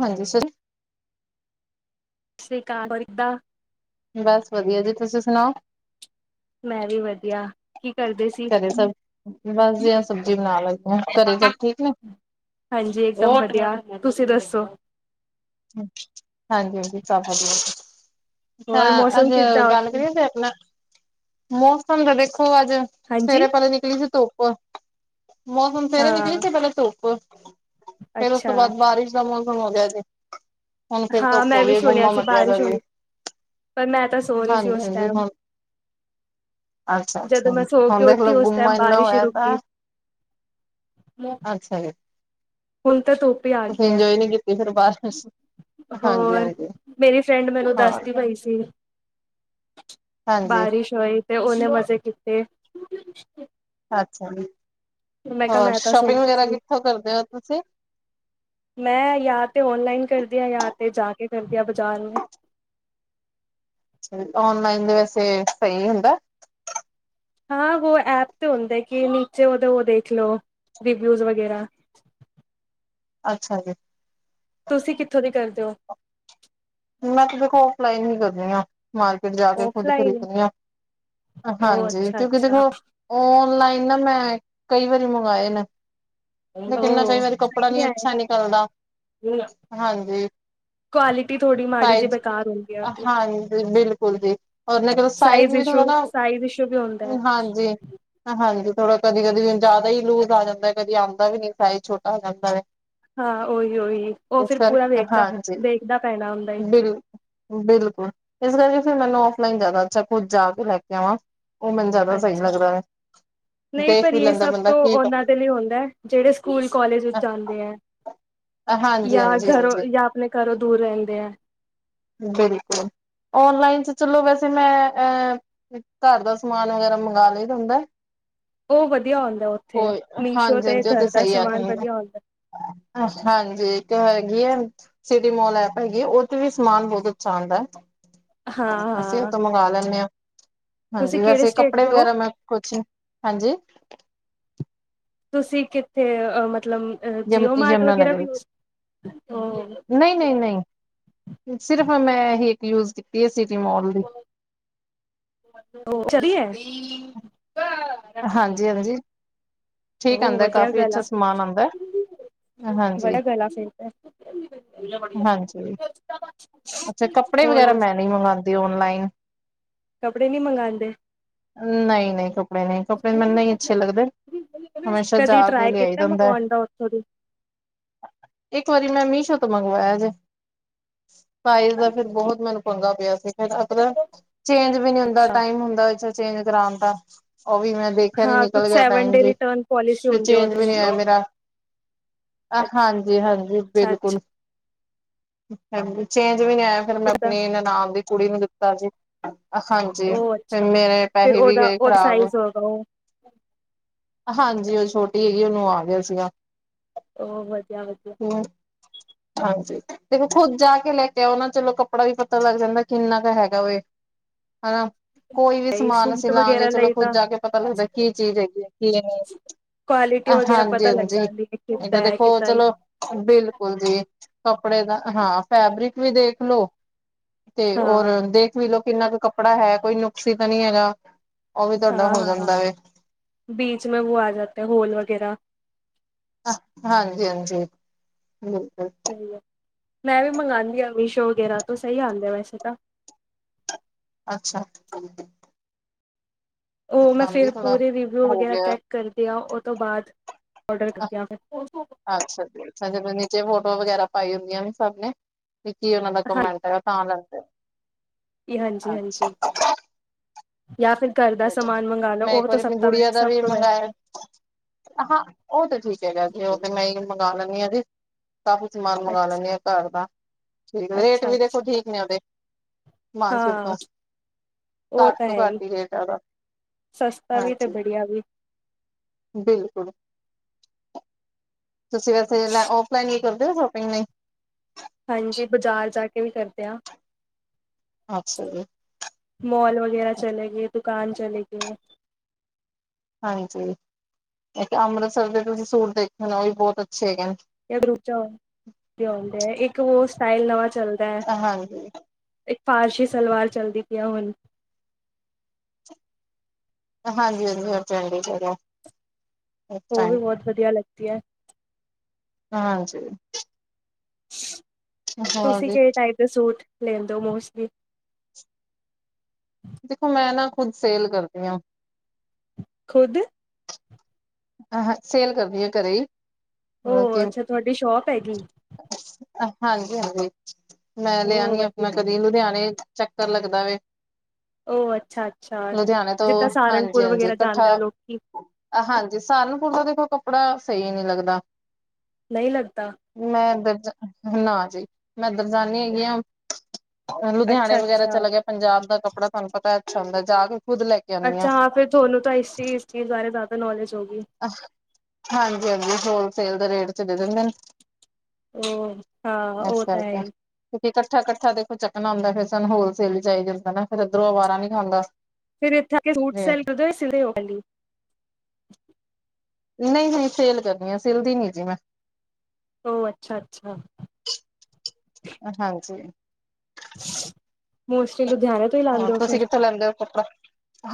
ਹਾਂਜੀ ਸਈ ਸ੍ਰੀਕਾਲ। ਹੋਰ ਕਿਦਾ? ਬਸ ਵਧੀਆ ਜੀ, ਤੁਸੀਂ ਸੁਣਾਓ? [inaudible] [inaudible] ਮੈਂ ਵੀ ਵਧੀਆ, ਕੀ ਕਰਦੇ ਸੀ? ਘਰੇ ਸਭ ਬਸ ਜੀ ਸਬਜ਼ੀ ਬਣਾ ਲੱਗੀ ਆ ਘਰੇ ਸਭ ਠੀਕ ਨੇ ਹਾਂਜੀ, ਇੱਕਦਮ ਵਧੀਆ, ਤੁਸੀਂ ਦੱਸੋ? ਹਾਂਜੀ-ਹਾਂਜੀ ਸਭ ਵਧੀਆ। ਅੱਛਾ, ਹੋਰ ਮੌਸਮ ਅੱਜ ਕਿੱਦਾਂ ਗੱਲ ਉੱਥੇ ਕਰੀਏ ਫੇਰ ਆਪਣਾ ਮੌਸਮ ਤੇ ਦੇਖੋ ਅੱਜ ਹਾਂਜੀ ਸਵੇਰੇ ਪਹਿਲੇ ਨਿਕਲੀ ਸੀ ਧੁੱਪ। ਮੌਸਮ, ਸਵੇਰੇ ਨਿਕਲੀ ਹਾਂ ਸੀ ਪਹਿਲੇ ਧੁੱਪ, ਫੇਰ ਉਸ ਤੋਂ ਅੱਛਾ ਬਾਅਦ ਬਾਰਿਸ਼ [unintelligible] [inaudible] ਹੁਣ ਫਿਰ ਹਾਂ ਧੁੱਪ ਮੈਂ ਹੋਗੀ ਵੀ ਏ, ਸੁਣਿਆ ਗੁੰਮਾ ਸੀ ਲਗਿਆ ਦਾ ਬਾਰਿਸ਼ ਵੇ। ਹੋਣੀ ਪਰ ਮੈਂ ਤਾਂ ਸੋ ਰਹੀ ਸੀ ਉਸ ਹਾਂਜੀ-ਹਾਂਜੀ ਹੂ ਟਾਈਮ ਹੁਣ ਅੱਛਾ ਜਦੋਂ ਅੱਛਾ ਜੀ, ਮੈਂ ਸੋ ਹੁਣ ਕੇ ਉੱਠੀ ਦੇਖਲੋ ਉਸ ਗੁੰਮਾ ਟਾਈਮ ਇੰਨਾ ਬਾਰਿਸ਼ ਹੋਇਆ ਤਾਂ ਰੁੱਕੀ, ਮ ਅੱਛਾ ਹੈ। ਹੁਣ ਤਾਂ ਤੂੰ ਤੁਸੀ ਇੰਜੋਏ ਨੀ ਕੀਤੀ ਫੇਰ ਬਾਹਰ ਹੋਰ ਮੇਰੀ ਫਰੈਂਡ ਮੈਨੂੰ ਹਾਂ ਦੱਸਦੀ ਪਈ ਸੀ। ਹਾਂਜੀ ਬਾਰਿਸ਼ ਹੋਈ ਤੇ ਉਹ ਓਹਨੇ ਮਜ਼ੇ ਕੀਤੇ। ਅੱਛਾ! ਜੀ ਮੈਂ ਕਿਹਾ ਹੋਰ ਮੈਂ ਤਾਂ ਸੋ ਸ਼ੋਪਿੰਗ ਰਹੀ ਵਗੈਰਾ ਸੀ ਕਿੱਥੋਂ ਕਰਦੇ ਹੋ ਤੁਸੀਂ ਮੈਂ ਯਾ ਤੇ ਔਨਲਾਈਨ ਕਰਦੀ ਆ ਜਾਂ ਤੇ ਜਾ ਕੇ ਕਰਦੀ ਆ ਬਾਜ਼ਾਰ ਨੂੰ ਔਨਲਾਈਨ ਦੇ ਵੈਸੇ ਸਹੀ ਹੁੰਦਾ। ਹਾਂ ਉਹੋ ਐਪ ਤੇ ਹੁੰਦੇ ਕਿ ਨੀਚੇ ਉਹਦੇ ਉਹ ਦੇਖ ਲਓ ਰਿਵਿਊਜ਼ ਵਗੈਰਾ ਅੱਛਾ ਜੀ। ਤੁਸੀਂ ਕਿੱਥੋਂ ਦੀ ਕਰਦੇ ਹੋ। ਮੈਂ ਤੇ ਦੇਖੋ ਓਫਲਾਈਨ ਹੀ ਕਰ ਦੀ ਹਾਂ। ਮਾਰਕੀਟ ਜਾ ਕੇ, ਖੁਦ ਔਫਲਾਈਨ ਖ਼ਰੀਦਣੀ ਆ। ਉਹ ਹਾਂਜੀ ਅੱਛਾ ਕਿਉਂਕਿ ਅੱਛਾ ਦੇਖੋ? ਔਨਲਾਈਨ ਨਾ ਮੈਂ ਕਈ ਵਾਰੀ ਮੰਗਵਾਏ ਨੇ। ਤੇ ਕਿੰਨਾ ਕਈ ਉਹ ਵਾਰੀ ਕੱਪੜਾ ਸਹੀ ਨੀ ਅੱਛਾ ਨਿਕਲਦਾ ਹੈ ਹਾਂਜੀ ਕੁਆਲਿਟੀ ਥੋੜੀ ਮਾੜੀ ਜਿਹੀ ਸਾਈਜ਼ ਬੇਕਾਰ ਹੁੰਦੀ ਆ ਹਾਂਜੀ ਬਿਲਕੁਲ ਜੀ, ਔਰ ਨਾ ਸਾਈਜ਼ ਵੀ ਇਸ਼ੂ ਥੋੜਾ ਨਾ ਸਾਈਜ਼ ਇਸ਼ੂ ਵੀ ਹੁੰਦਾ ਹੈ। ਹਾਂਜੀ ਹਾਂਜੀ ਥੋੜਾ ਕਦੀ -ਕਦੀ ਜਿਆਦਾ ਹੀ ਲੂਜ ਆ ਜਾਂਦਾ ਕਦੀ ਆਉਂਦਾ ਵੀ ਨੀ ਸਾਈਜ਼ ਛੋਟਾ ਆ ਜਾਂਦਾ ਹੈ। ਹਾਂ ਉਹੀ- ਉਹੀ ਉਹ ਫਿਰ ਪੂਰਾ ਕਰਕੇ ਹਾਂਜੀ ਵੇਖਦਾ-ਵੇਖਦਾ ਪੈਣਾ ਹੁੰਦਾ ਈ ਬਿਲ ਬਿਲਕੁਲ ਇਸ ਕਰਕੇ ਫਿਰ ਮੈਨੂੰ ਓਫਲਾਈਨ ਜ਼ਿਆਦਾ ਅੱਛਾ ਖੁਦ ਜਾ ਕੇ ਲੈ ਕੇ ਆਵਾਂ ਉਹ ਮੈਨੂੰ ਜ਼ਿਆਦਾ ਸਹੀ ਅੱਛਾ ਲੱਗਦਾ ਹੈ। ਨਹੀਂ ਦੇਖ ਪਰ ਵੀ ਇਹ ਲੈਂਦਾ ਸਭ ਬੰਦਾ ਤੋਂ ਕੀ ਉਹਨਾਂ ਕੱਪੜੇ, ਦੇ ਲਈ ਹੁੰਦਾ। ਜਿਹੜੇ ਸਕੂਲ ਕਾਲਜ ਵਿੱਚ ਜਾਂਦੇ ਹੈ। ਹਾਂਜੀ ਜਾਂ ਹਾਂਜੀ ਘਰੋਂ ਹਾਂਜੀ ਜਾਂ ਆਪਣੇ ਘਰੋਂ ਦੂਰ ਰਹਿੰਦੇ ਹੈ। ਬਿਲਕੁਲ ਔਨਲਾਈਨ ਤ ਚਲੋ ਵੈਸੇ ਮੈਂ ਅਹ ਘਰ ਦਾ ਸਮਾਨ ਵਗੈਰਾ ਮੰਗਵਾ ਲਈਏ ਦਾ ਹੁੰਦਾ। ਉਹ ਵਧੀਆ ਹੁੰਦਾ ਉੱਥੇ ਕੋਈ ਮੀਸ਼ੋ ਹਾਂਜੀ ਤੇ ਹਾਂਜੀ ਉਹ ਘਰ ਦਾ ਸਹੀ ਆ ਸਮਾਨ ਵਧੀਆ ਹੁੰਦਾ ਹਾਂਜੀ ਇੱਕ ਹੈਗੀ ਹੈ। ਸਿਟੀ ਮੋਲ ਐਪ ਹੈਗੀ ਉਥੇ ਵੀ ਸਮਾਨ ਬਹੁਤ ਅੱਛਾ ਆਉਂਦਾ ਹੈ। ਅਸੀਂ ਉਹ ਹਾਂ-ਹਾਂ ਤੋਂ ਮੰਗਵਾ ਲੈਂਦੇ ਹਾਂ ਤੁਸੀਂ ਹਾਂਜੀ ਕਿਹੜੇ ਵੈਸੇ ਸਟੇਟ ਕੱਪੜੇ ਦੇ ਹੋ? ਵਗੈਰਾ ਮੈਂ ਕੁਛ ਹਾਂਜੀ, ਤੁਸੀਂ ਕਿੱਥੇ ਮਤਲਬ ਯਮ ਜੀਓ ਮਾਰਟ ਯਮੁਨਾ ਵਗੈਰਾ ਨਗਰ ਵੀ, ਵਿੱਚ ਨਹੀਂ ਨਹੀਂ ਨਹੀਂ ਸਿਰਫ਼ ਮੈਂ ਹੀ ਇੱਕ ਯੂਜ ਕੀਤੀ ਹੈ ਸਿਟੀਮੋਲ ਦੀ, [unintelligible] ਚਲੀਏ ਹਾਂਜੀ- ਹਾਂਜੀ! ਠੀਕ ਉਹ ਆਉਂਦਾ ਵਧੀਆ ਕਾਫੀ ਗੱਲ ਅੱਛਾ ਆ ਫਿਰ ਸਮਾਨ ਆਉਂਦਾ। ਹਾਂਜੀ ਬੜਾ ਗਲਾ ਫੇਰ ਦਾ ਹਾਂਜੀ ਅੱਛਾ ਕੱਪੜੇ ਵਗੈਰਾ ਹੋਰ ਮੈਂ ਨਹੀਂ ਮੰਗਵਾਉਂਦੀ ਔਨਲਾਈਨ ਕੱਪੜੇ ਨੀ ਮੰਗਾਉਂਦੇ ਨਹੀਂ ਨਹੀਂ ਕੱਪੜੇ ਕੱਪੜੇ ਮੈਨੂੰ ਨਹੀ ਅੱਛੇ ਲੱਗਦੇ ਹਮੇਸ਼ਾ ਕਦੀ ਜਾ ਕੇ ਟਰਾਈ ਲਿਆਈ ਕੀਤਾ ਦਾ ਹੁੰਦਾ ਹੈ। ਮੰਗਵਾਉਣ ਦਾ ਉੱਥੋਂ ਦੀ ਇੱਕ ਵਾਰੀ ਮੈਂ ਮੀਸ਼ੋ ਤੋਂ ਮੰਗਵਾਇਆ ਜੇ ਸਾਈਜ਼ ਦਾ ਬਹੁਤ ਮੈਨੂੰ ਪੰਗਾ ਪਿਆ ਸੀ ਫੇਰ ਆਪ ਚੇਂਜ ਵੀ ਨਹੀ ਹੁੰਦਾ ਟਾਈਮ ਹੁੰਦਾ ਚੇਂਜ ਕਰਾਉਣ ਦਾ ਉਹ ਵੀ ਮੈਂ ਦੇਖਿਆ ਨੀ ਹਾਂ ਕੁਛ ਨਿਕਲ ਗਿਆ ਸੈਵਨ ਟਾਈਮ ਡੇ ਜੀ ਰਿਟਰਨ ਪੋਲਿਸੀ ਫੇਰ ਹੁੰਦੀ ਚੇਂਜ ਵੀ ਉਹਦੇ ਨੀ ਆਇਆ ਮੇਰਾ ਹਾਂਜੀ-ਹਾਂਜੀ ਅੱਛਾ-ਅੱਛਾ ਬਿਲਕੁਲ ਜੀ ਚੇਂਜ ਵੀ ਨੀ ਆਇਆ ਫਿਰ ਮੈਂ ਆਪਣੀ ਨਨਾਨ ਦੀ ਕੁੜੀ ਨੂੰ ਦਿੱਤਾ ਜੀ ਹਾਂਜੀ, ਉਹ ਅੱਛਾ ਮੇਰੇ ਫਿਰ ਪੈਸੇ ਵੀ ਉਹਦਾ ਗਏ ਖ਼ਰਾਬ [unintelligible] ਹਾਂਜੀ ਉਹ ਛੋਟੀ ਸੀਗੀ ਉਹਨੂੰ ਆ ਗਿਆ ਸੀਗਾ। ਉਹ ਵਧੀਆ ਵਧੀਆ, ਹਾਂਜੀ, ਦੇਖੋ ਖੁੱਦ ਜਾ ਕੇ ਲੈ ਕੇ ਆਓ ਨਾ ਚਲੋ ਕੱਪੜਾ ਵੀ ਪਤਾ ਲੱਗ ਜਾਂਦਾ ਕਿੰਨਾ ਕੁ ਹੈਗਾ ਐ, ਹਨਾ ਕੋਈ ਵੀ ਸਮਾਲ ਅਸੀਂ ਸੂਟ ਲਾਗੇ ਵਗੈਰਾ ਚਲੋ। ਲਈ ਖੁਦ ਤਾਂ ਜਾ ਕੇ ਪਤਾ ਲੱਗਦਾ, ਕੀ ਚੀਜ਼ ਹੈਗੀ ਐ ਕੀ ਨਹੀਂ। ਹਾਂਜੀ-ਹਾਂਜੀ, ਇਹ ਤਾਂ ਦੇਖੋ ਚਲੋ ਬਿਲਕੁਲ ਜੀ, ਕੱਪੜੇ ਦਾ ਹਾਂ ਫੈਬਰਿਕ ਵੀ ਦੇਖਲੋ। ਤੇ ਹੋਰ ਦੇਖ ਵੀ ਲਓ ਕਿੰਨਾ ਕੁ ਕੱਪੜਾ ਹੈ, ਕੋਈ ਨੁਕਸੀ ਤਾਂ ਨਹੀਂ ਹੈਗਾ। ਉਹ ਵੀ ਤੁਹਾਡਾ ਹੋ ਹਾਂ-ਹਾਂ, ਜਾਂਦਾ ਵੇ ਬੀਚ ਮੇ ਵੋ ਆ ਜਾਤੇ ਹੋਲ ਵਗੈਰਾ ਹਾਂਜੀ-ਹਾਂਜੀ, ਬਿਲਕੁਲ। ਸਹੀ ਐ, ਮੈਂ ਵੀ ਮੰਗਾਂਦੀ ਆਂ ਮੀਸ਼ੋ ਵਗੈਰਾ ਤੋਂ, ਸਹੀ ਆਂਦਾ ਵੈਸੇ ਤਾਂ। ਅੱਛਾ। ਉਹ ਮੈਂ ਮੰਗਾਉਂਦੀ ਫਿਰ ਥੋੜਾ ਪੂਰੇ ਰਿਵਿਊ ਹੋ ਵਗੈਰਾ ਗਿਆ ਚੈੱਕ ਕਰਦਿਆਂ, ਉਹ ਤੋਂ ਬਾਅਦ ਔਡਰ ਕਰਦਿਆਂ ਫਿਰ। ਅੱਛਾ ਜੀ ਅੱਛਾ, ਜਿਵੇਂ ਨੀਚੇ ਫੋਟੋਆਂ ਵਗੈਰਾ ਪਾਈ ਹੁੰਦੀਆਂ ਸਭ ਨੇ ਤੇ ਕੀ ਉਹਨਾਂ ਦਾ ਕਮੈਂਟ ਹੈਗਾ ਤਾਂ ਲੱਗਦਾ, ਹਾਂਜੀ ਹਾਂਜੀ ਹਾਂਜੀ ਅੱਛਾ। ਜਾਂ ਫਿਰ ਕੱਲ ਮੈਂ ਇੱਕ ਵਾਰੀ ਆਪਣੀ ਗੁੜੀਆਂ ਦਾ ਵੀ ਤੋਂ ਮੰਗਾਇਆ। ਬੈਸਟ ਹੈ ਹਾਂ ਉਹ ਤੇ ਠੀਕ ਹੈਗਾ ਜੀ, ਉਹ ਫੇਰ ਮੈਂ ਹੀ ਮੰਗਾ ਲੈਂਦੀ ਆਂ ਜੀ। ਕਾਫੀ ਸਮਾਨ ਅੱਛਾ ਮੰਗਾ ਲੈਂਨੀ ਆ ਘਰ ਦਾ, ਠੀਕ ਰੇਟ ਅੱਛਾ ਵੀ ਦੇਖੋ ਅੱਛਾ ਠੀਕ ਨੇ ਉਹਦੇ। ਮਾਰਕੀਟ ਤੋਂ ਹਾਂ, ਉਹ ਘੱਟ ਤਾਂ ਤੋਂ ਹੈ ਈ। ਘੱਟ ਹੀ ਰੇਟ ਆ ਉਹਦਾ ਸਸਤਾ ਵੀ ਤੇ ਹਾਂਜੀ ਬੜੀਆ ਵੀ। ਬਿਲਕੁਲ, ਤੁਸੀਂ ਵੈਸੇ ਲ ਔਫਲਾਈਨ ਵੀ ਕਰਦੇ ਹੋ ਸ਼ੋਪਿੰਗ ਨਈ। ਹਾਂਜੀ, ਬਜ਼ਾਰ ਜਾ ਕੇ ਵੀ ਕਰਦੇ ਆਂ। ਅੱਛਾ ਜੀ। ਮੋਲ ਵਗੈਰਾ ਚਲੇ ਗਏ, ਦੁਕਾਨ ਚਲੇ ਗਏ। ਹਾਂਜੀ, ਇੱਕ ਅੰਮ੍ਰਿਤਸਰ ਦੇ ਤੁਸੀਂ ਸੂਟ ਦੇਖੇ ਹੋਣੇ, ਉਹ ਵੀ ਬਹੁਤ ਅੱਛੇ ਹੈਗੇ ਨੇ। ਗਰੁਪ ਚ ਆਉਂਦੇ ਐ, ਇੱਕ ਹੋਰ ਸਟਾਈਲ ਨਵਾਂ ਚਲ ਹਾਂਜੀ। ਇੱਕ ਫ਼ਾਰਸ਼ੀ ਸਲਵਾਰ ਚੱਲਦੀ ਪਈ ਐ ਹੁਣ। ਹਾਂਜੀ-ਹਾਂਜੀ, ਹੋਰ ਚੰਡੀਗੜ੍ਹੋਂ। ਉਹ ਵੀ ਬਹੁਤ ਵਧੀਆ ਲੱਗਦੀ ਐ। ਹਾਂਜੀ ਹੋਰ ਤੁਸੀਂ ਜੀ। ਕਿਹੜੇ ਟਾਈਪ ਦੇ ਸੂਟ ਲੈਂਦੇ ਹੋ ਮੋਸਟਲੀ। ਦੇਖੋ ਮੈਂ ਨਾ ਖੁੱਦ ਸੇਲ ਕਰਦੀ ਆਂ। ਖੁਦ ਆਹਾ ਸੇਲ ਕਰਦੀ ਆਂ ਘਰੇ ਈ। ਉਹ ਅੱਛਾ ਤੁਹਾਡੀ ਸ਼ੋਪ ਐ ਗੀ। ਹਾਂਜੀ-ਹਾਂਜੀ, ਮੈਂ ਲਿਆ ਉਹ ਨੀ ਆ ਆਪਣਾ ਵਧੀਆ ਕ ਦੀ ਲੁਧਿਆਣੇ ਚੱਕਰ ਲੱਗਦਾ ਵੇ। ਉਹ ਅੱਛਾ ਅੱਛਾ ਲੁਧਿਆਣੇ ਤੋਂ ਜਿੱਦਾਂ ਸਹਾਰਨਪੁਰ ਹਾਂਜੀ-ਹਾਂਜੀ ਵਗੈਰਾ ਕੱਠਾ ਜਾਂਦੇ ਆ ਲੋਕੀ ਹਾਂਜੀ, ਸਹਾਰਨਪੁਰ ਦਾ ਦੇਖੋ ਕੱਪੜਾ ਸਈ ਨੀ ਲੱਗਦਾ। ਨਈ ਲੱਗਦਾ। ਮੈਂ ਏਧਰ ਨਾ ਜੀ, ਮੈਂ ਏਧਰ ਜਾਂਦੀ ਹੈਗੀ ਆਂ। ਲੁਧਿਆਣੇ ਅੱਛਾ ਵਗੈਰਾ ਅੱਛਾ ਚਲਾ ਗਿਆ ਪੰਜਾਬ ਦਾ ਕੱਪੜਾ ਤੁਹਾਨੂੰ ਪਤਾ ਅੱਛਾ ਹੁੰਦਾ, ਜਾ ਕੇ ਖੁਦ ਲੈ ਕੇ ਅੱਛਾ, ਹਾਂ ਫਿਰ ਥੋਨੂੰ ਤਾਂ ਇਸ ਚੀ ਇਸ ਚੀਜ਼ ਬਾਰੇ ਜ਼ਿਆਦਾ ਨੌਲੇਜ ਹੋਗੀ। ਹਾਂਜੀ-ਹਾਂਜੀ, ਹੋਲਸੇਲ ਦੇ ਰੇਟ ਚ ਦੇ ਦਿੰਦੇ ਨੇ। ਉਹ ਹਾਂ ਇਸ ਉਹ ਤਾਂ ਹੈ ਕਰਕੇ ਹੀ ਕਿਉਂਕਿ ਕੱਠਾ-ਕੱਠਾ ਦੇਖੋ ਚੱਕਣਾ ਹੁੰਦਾ, ਫਿਰ ਸਾਨੂੰ ਹੋਲ ਸੇਲ ਵਿਚ ਆਈ ਜਾਂਦਾ ਨਾ। ਫਿਰ ਇੱਧਰੋਂ ਅਵਾਰਾ ਨੀ ਖਾਂਦਾ ਫੇਰ ਏਥੇ ਆ ਕੇ ਸੂਟ ਸੈਲ ਰੇਟ ਕਰਦੇ ਓ ਯਾ ਸਿਲਦੇ ਓ ਪੈਲੀ। [unintelligible] ਨਹੀਂ ਹੁਣ ਸੇਲ ਕਰਨੀ ਆ ਸਿਲਦੀ ਨੀ ਜੀ ਮੈਂ। ਉਹ ਅੱਛਾ-ਅੱਛਾ ਹਾਂਜੀ ਮੋਸਟਲੀ ਲੁਧਿਆਣੇ ਤੋਂ ਹੀ ਹਾਂ ਲਾਉਂਦੇ ਹੋ ਤੁਸੀਂ ਫਿਰ ਕਿੱਥੋਂ ਲੈਂਦੇ ਹੋ ਕੱਪੜਾ,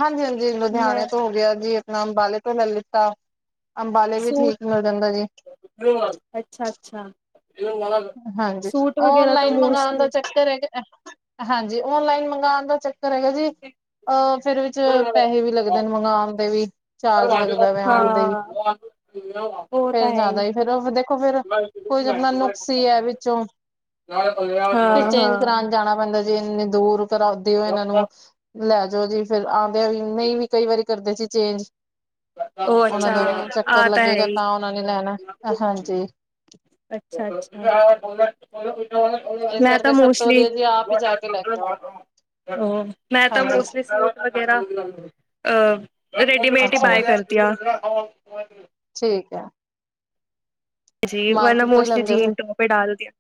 ਹਾਂਜੀ-ਹਾਂਜੀ ਮੈਂ ਲੁਧਿਆਣੇ ਤੋਂ ਹੋ ਗਿਆ ਜੀ, ਆਪਣਾ ਅੰਬਾਲੇ ਤੋਂ ਲੈ ਲਿੱਤਾ, ਅੰਬਾਲੇ ਵੀ ਸੂਟ ਠੀਕ ਮਿਲ ਜਾਂਦਾ ਜੀ। ਅੱਛਾ -ਅੱਛਾ ਹਾਂਜੀ ਸੂਟ ਵਗੈਰਾ ਤਾਂ ਓਨਲਾਈਨ ਮੰਗਾਉਣ ਦਾ ਮੋਸਟਲੀ ਚੱਕਰ ਹੈਗਾ, ਹਾਂਜੀ ਓਨਲਾਈਨ ਮੰਗਾਉਣ ਦਾ ਚੱਕਰ ਹੈਗਾ ਜੀ ਅਹ ਫਿਰ ਵਿਚ ਪੈਸੇ ਵੀ ਲੱਗਦੇ ਨੇ ਮੰਗਵਾਉਣ ਦੇ ਵੀ, ਚਾਰਜ ਲੱਗਦਾ ਵ ਆਉਣ ਦੇ ਵੀ ਹਾਂ ਉਹ ਫੇਰ ਤਾਂ ਹੈ ਜ਼ਿਆਦਾ ਹੀ ਫੇਰ, ਉਹ ਦੇਖੋ ਫਿਰ ਕੋਈ ਆਪਣਾ ਨੁਕਸ ਵਿੱਚੋਂ, ਹਾਂ ਫਿਰ ਚੇਂਜ ਹਾਂ ਕਰਾੳਣ ਜਾਣਾ ਪੈਂਦਾ ਜੇ ਇੰਨੀ ਦੂਰ ਕਰਾਉਂਦੇ ਹੋ ਇਹਨਾਂ ਨੂੰ ਲੈ ਜਾਓ ਜੀ, ਫੇਿਰ ਆਉਂਦੇਿਆਂ ਵੀ ਨਹੀਂ ਵੀ ਕਈ ਵਾਰੀ ਕਰਦੇ ਜੀ ਚੇਂਜ ਉਹ ਉਹਨਾਂ ਅੱਛਾ ਦਾ ਚੱਕਰ ਆਹ ਹੈ ਲੱਗੇਗਾ ਹੀ ਤਾਂ ਉਹਨਾ ਨੇ ਲੈਨਾ ਹਾਂਜੀ ਅੱਛਾ -ਅੱਛਾ ਇਸ ਮੈਂ ਤਾਂ ਕਰਕੇ ਸਭ ਤੋਂ ਮੋਸਟਲੀ, ਵਧੀਆ ਜੀ ਆਪ ਹੀ ਜਾ ਕੇ ਲੈ ਕੇ ਆਓ ਮੈਂ ਤਾਂ ਹਾਂਜੀ ਮੋਸਟਲੀ ਵਗੈਰਾ ਅ ਰੇਡੀਮੇਡ ਹੀ ਅੱਛਾ ਜੀ ਬਾਏ ਕਰਦੀ ਆਂ ਠੀਕ ਹੈ ਜੀ ਵ ਮਾਰਕੀਟ ਤੋਂ ਹੀ ਮੋਸਟਲੀ ਲੈਂਦੇ ਹੋ ਫਿਰ ਜੀਨ ਟੋਪ ਈ ਡਾਲ ਦੀਆ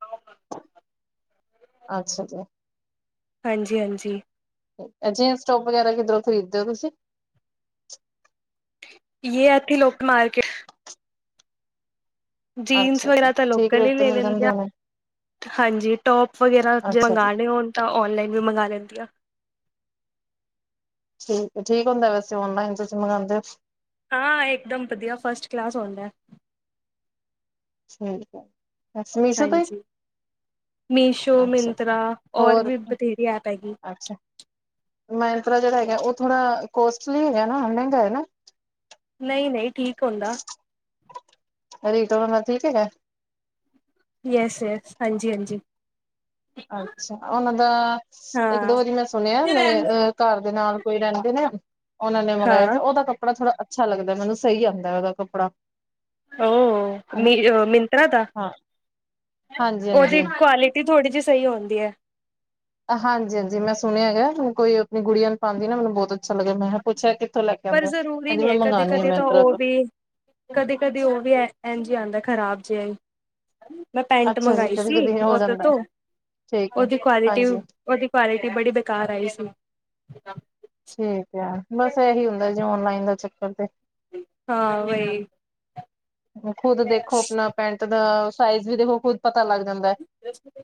ਅੱਛਾ ਜੀ ਹਾਂਜੀ- ਹਾਂਜੀ ਅ ਜਿਨਸ ਟੋਪ ਵਗੈਰਾ ਕਿੱਧਰੋਂ ਖਰੀਦਦੇ ਹੋ ਤੁਸੀਂ ਯ ਐਥੇ ਲੋਕਲ ਮਾਰਕਿਟ [inaudible] ਜੀਨਸ ਅੱਛਾ ਜੀ ਵਗੈਰਾ ਤਾਂ ਠੀਕ ਲੋਕਲ ਹੀ ਰੇਟ ਤੇ ਲੈ ਮਿਲ ਲੈਂਦੇ ਜਾਂਦੇ ਆ ਹੋਣੇ ਹਾਂਜੀ, ਟੋਪ ਵਗੈਰਾ ਜੇ ਅੱਛਾ ਜੀ ਮੰਗਵਾਉਣੇ ਹੋਣ ਤਾਂ ਓਨਲਾਈਨ ਵੀ ਮੰਗਵਾ ਲੈਂਦੀ ਆ ਠੀਕ ਠੀਕ ਹੁੰਦਾ ਵੈਸੇ ਔਨਲਾਈਨ, ਤੁਸੀਂ ਮੰਗਵਾਉਂਦੇ ਹੋ ਹਾਂ ਇੱਕਦਮ ਵਧੀਆ ਫਸਟ ਕਲਾਸ ਹੋੰਦਾ ਠੀਕ ਹੈ ਵੇਸੇ ਮਿਸੋ ਤੋਹੀ ਹਾਂਜੀ। ਮੀਸ਼ੋ, ਮਿੰਤਰਾ ਔਰ ਹੋਰ ਵੀ ਬਥੇਰੀ ਐਪ ਹੈਗੀ ਮੈਂਤਰਾ ਜਿਹੜਾ ਹੈਗਾ, ਉਹ ਥੋੜ੍ਹਾ ਕੋਸਟਲੀ ਹੈਗਾ ਨਾ ਮਹਿੰਗਾ ਹੈ ਨਾ ਨਹੀਂ ਨਹੀਂ, ਠੀਕ ਹੋਦਾਂ- [unintelligible] ਠੀਕ ਹੈਗੈ ਯੇਸ ਯੇਸ, ਹਾਂਜੀ ਹਾਂਜੀ ਅੱਛਾ, ਉਹਨਾਂ ਦਾ ਇੱਕ ਦੋ ਹਾਂ। ਵਾਰੀ ਮੈਂ ਸੁਨਿਆ ਮੇਰੇ ਅ ਘਰ ਦੇ ਨਾਲ ਕੋਈ ਰਹਿੰਦੇ ਨੇ ਉਹਨਾਂ ਨੇ ਮੰਗਵਾਆ, ਤੇ ਹਾਂ ਉਹਦਾ ਕੱਪੜਾ ਕੱਪੜਾ ਥੋੜ੍ਹਾ ਅਛਾ ਲੱਗਦਾ ਮੈਨ ਸਹੀ ਹੋਦਾੰ ੳਦਾ ਕੱਪੜਾ ਉਹ ਹਨਾ ਮਿਸ਼ੁ ਮਿੰਤਰਾ ਦਾ, ਹਾਂ ਹਾਂਜੀ ਹਾਂਜੀ ਉਹਦੀ ਕੁਆਲਟੀ ਥੋੜੀ ਜੇਹੀ ਸਹੀ ਹੁੰਦੀ ਹੈ ਹਾਂਜੀ-ਹਾਂਜੀ ਮੈਂ ਸੁਨੇਆ ਐਗੈ ਕੋਈ ਅਪਨੀ ਗੁੜੀਆਂ ਨੂੰ ਪਾਨਦੀ ਏ ਨਾ ਮੈਨੂੰ ਬੋਤ ਅੱਛਾ ਲੱਗੇਐ ਮੈਂਹੈ ਪੁੱਛਾ ਕਿੱਥੋਂ ਲੈ ਕੇ ਪਰ ਆਉਂਦਾ ਜ਼ਰੂਰੀ ਕਹਿੰਦੀ ਨਹੀ ਮੈਂ ਹੈ, ਕਦੇ- ਮੰਗਵਾਉਣੀ ਆ ਕਦੇ ਤਾਂ ਮਿੰਤਰਾ ਉਹ ਤੋਂ ਵੀ ਕਦੇ- ਕਦੇ ਉਹ ਵੀ ਇੰਜ ਆੰਦਾ ਹੈ ਖਰਾਬ ਜਿਹਾ ਮੈਂ ਪੈਂਟ ਅੱਛਾ ਜੀ ਮੰਗਵਾਈ ਕਦੀ ਸੀ ਕਦੀ ਹੋ ਓਦੋਂ ਜਾਂਦਾ ਤੋਂ, ਠੀਕ ਹੈ ਉਹਦੀ ਕੁਆਲਿਟੀ ਹਾਂਜੀ ਉਹਦੀ ਕੁਆਲਿਟੀ ਬੜੀ ਬੇਕਾਰ ਆਈ ਸੀ ਠੀਕ ਹੈ, ਬਸ ਇਹੀ ਹੁੰਦਾ ਜੇ ਓਨਲਾਈਨ ਦਾ ਚੱਕਰ ਤੇ ਹਾਂ ਵਹੀ ਉਹ ਖੁਦ ਦੇਖੋ ਆਪਣਾ, ਪੈਂਟ ਦਾ ਸਾਈਜ਼ ਵੀ ਦੇਖੋ ਖੁਦ ਪਤਾ ਲੱਗ ਜਾਂਦਾ ਹੈ,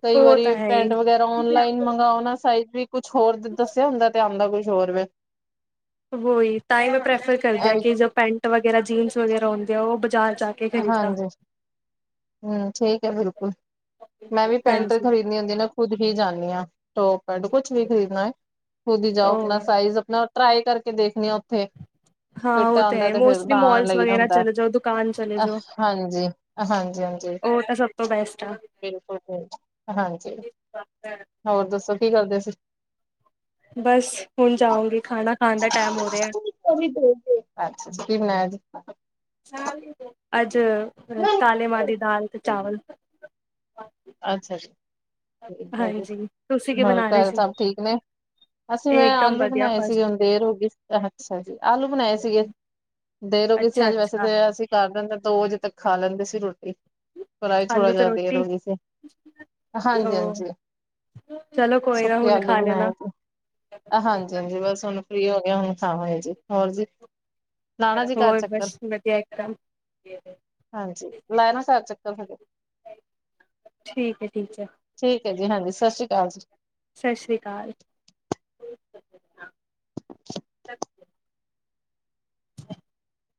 ਕਈ ਉਹ ਤਾਂ ਵਾਰੀ ਹੈ ਪੈਂਟ ਹੀ ਵਗੈਰਾ ਓਨਲਾਈਨ ਮੰਗਾਓ ਨਾ ਸਾਈਜ਼ ਵੀ ਕੁਛ ਹੋਰ ਦ ਦੱਸਿਆ ਹੁੰਦਾ ਤੇ, ਆਉਂਦਾ ਕੁਛ ਹੋਰ ਵੇ ਵੋਹੀ, ਤਾਂ ਹੀ ਮੈਂ ਪ੍ਰੈਫਰ ਕਰਦੀ ਇਹ ਹਾਂ ਵੀ ਕਿ ਜੋ ਪੈਂਟ ਵਗੈਰਾ ਜੀਨਸ ਵਗੈਰਾ ਹੁੰਦੀ ਆ ਉਹ ਬਾਜ਼ਾਰ ਜਾ ਕੇ ਖਰੀਦਾਂ ਹਾਂਜੀ, ਹਮ ਠੀਕ ਹੈ ਬਿਲਕੁਲ ਮੈਂ ਵੀ ਪੈਂਟ ਹਾਂਜੀ ਖਰੀਦਣੀ ਹੁੰਦੀ ਨਾ ਖੁਦ ਹੀ ਜਾਂਦੀ ਹਾਂ, ਟੋਪ ਕੁੱਛ ਵੀ ਖਰੀਦਣਾ ਹੈ ਖੁਦ ਜਾਓ ਉਹ ਆਪਣਾ ਸਾਈਜ਼ ਆਪਣਾ ਟਰਾਈ ਕਰਕੇ ਦੇਖਣੀ ਆ ਉੱਥੇ ਹਾਂ ਫਿੱਟ ਉਹ ਤੇ ਹੈ ਆਉਂਦਾ ਈ, ਫਿਰ ਮੋਸਟਲੀ ਤਾਂ ਮੋਲਸ ਲਈ ਦਾ ਵਗੈਰਾ ਹੁੰਦਾ ਚਲੇ ਜਾਓ ਦੁਕਾਨ 'ਚ- ਚਲੇ ਜੋ, ਹਾਂਜੀ ਹਾਂਜੀ ਹਾਂਜੀ ਉਹ ਤਾਂ ਸਭ ਤੋਂ ਬੈਸਟ ਆ ਬਿਲਕੁਲ ਜੀ, ਹਾਂਜੀ ਹੋਰ ਦੱਸੋ ਕੀ ਕਰਦੇ ਸੀ ਬਸ, ਹੁਣ ਜਾਉਂਗੀ ਖਾਣਾ ਖਾਣ ਦਾ ਟਾਈਮ ਹੋ ਰਿਹਾ [unintelligible] ਅੱਛਾ ਜੀ ਕਿ ਬਣਾਇਆ ਜੇ ਅੱਜ ਕਾਲੇ ਮਾਂ ਦੀ ਦਾਲ, ਤੇ ਚਾਵਲ ਅੱਛਾ ਜੀ ਠੀਕ ਹੈ ਜੀ, ਹਾਂਜੀ ਤੁਸੀਂ ਕੀ ਹੋਰ ਬਣਾ ਰਹੇ ਘਰ ਸੀ ਸਭ ਠੀਕ ਨੇ ਅਸੀਂ ਮੈਂ ਇਕਦਮ ਆਲੂ ਵਧੀਆ ਬਣਾਏ ਸੀਗੇ, ਫਸਟ ਹੁਨ ਦੇਰ ਹੋਗੀ ਸੀ, ਅੱਛਾ ਜੀ ਆਲੂ ਬਣਾਏ ਸੀਗੇ ਦੇਰ ਰੋਗੀ ਸੀ ਅੱਛਾ ਅੱਜ, ਵੈਸੇ ਤੇ ਅੱਛਾ ਅਸੀਂ ਘਾਰ ਦੇ ਅੰਦਰ, ਦੋ ਵਜੇ ਤੱਕ ਖਾ ਲੈਂਦੇ ਸੀ ਰੋਟੀ ਪਰ ਆਜ ਥੋੜਾ ਆਲੂ ਤੇ ਜਿਹਾ ਦੇਰ ਹੋ ਰੋਟੀ ਗਈ ਸੀ ਹਾਂਜੀ ਉਹ ਹਾਂਜੀ, ਚਲੋ ਕੋਈ ਨਾ ਸੁੱਕੇ ਹੁਣ ਆਲੂ ਖਾ ਬਣਾਏ ਲੈਣਾ ਸੀ ਹਾਂਜੀ ਹਾਂਜੀ ਬਸ ਹੁਣ ਫ੍ਰੀ ਹੋ ਗਏ ਆਂ, ਹੁਣ ਥਾਂਵਾਗੇ ਜੀ ਹੋਰ ਜੀ ਲਾਣਾ ਜੀ ਘਰ ਹੋਰ ਚੱਕਰ। ਬਸ ਵਧੀਆ ਇੱਕਦਮ ਹਾਂਜੀ, ਮੈਂ ਨਾ ਘਰ ਚੱਕਰ, ਸਾਡੇ ਠੀਕ ਹੈ ਠੀਕ ਹੈ ਠੀਕ ਹੈ ਜੀ, ਹਾਂਜੀ ਸਤਿ ਸ਼੍ਰੀ ਅਕਾਲ ਜੀ ਸਤਿ ਸ਼੍ਰੀ ਅਕਾਲ [inaudible]